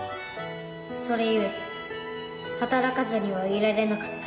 それゆえ働かずにはいられなかった。